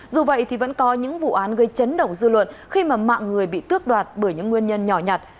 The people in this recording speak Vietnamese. dù vậy thì vẫn có những vụ án gây chấn động dư luận khi mà mạng người bị tước đoạt bởi những nguyên nhân nhỏ nhặt